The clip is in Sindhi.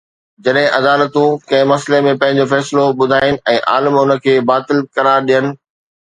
جڏهن عدالتون ڪنهن مسئلي ۾ پنهنجو فيصلو ٻڌائين ۽ عالم ان کي باطل قرار ڏين